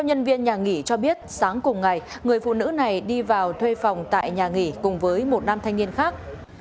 nhân viên nhà nghỉ cho biết sáng cùng ngày người phụ nữ này đi vào thuê phòng tại nhà nghỉ cùng với một nam thanh niên khác